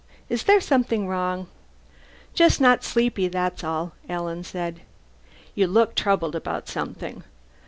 Is there something wrong?" "Just not sleepy, that's all," Alan said. "You look troubled about something."